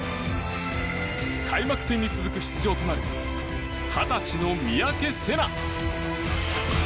開幕戦に続く出場となる２０歳の三宅星南。